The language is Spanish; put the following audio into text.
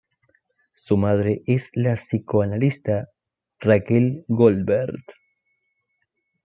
Su madre es la psicoanalista Raquel Goldberg.